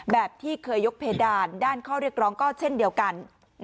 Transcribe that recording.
แบบที่เคยยกเพดานด้านข้อเรียกร้องก็เช่นเดียวกัน